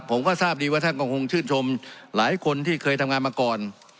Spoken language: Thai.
ผมก็ทราบดีว่าท่านก็คงชื่นชมหลายคนที่เคยทำงานมาก่อน